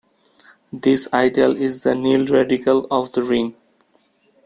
This ideal is the nilradical of the ring.